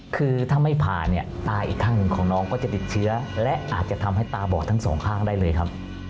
คือถ้าไม่ผ่าเนี่ยตาอีกข้างหนึ่งของน้องก็จะติดเชื้อและอาจจะทำให้ตาบอดทั้งสองข้างได้เลยครับ